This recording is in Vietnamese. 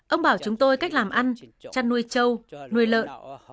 ông bảo chúng tôi cách làm ăn chăn nuôi trâu nuôi lợn